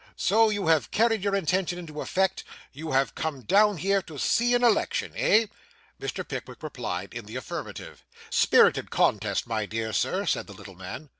So you have carried your intention into effect. You have come down here to see an election eh?' Mr. Pickwick replied in the affirmative. 'Spirited contest, my dear sir,' said the little man.